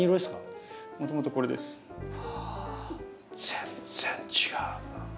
全然違う。